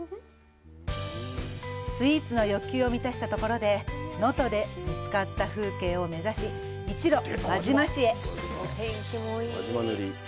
スイーツの欲求を満たしたところで能登で見たかった風景を目指し一路、輪島市へ。